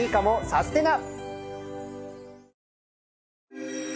サステナ！